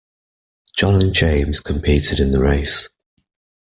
John and James competed in the race